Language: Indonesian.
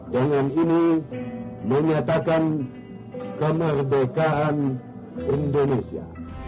dengan ini menyatakan kemerdekaan indonesia